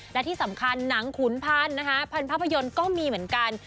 และที่สำคัญหนังขุนพันธุ์นะคะพันภาพยนตร์ก็มีเหมือนกัน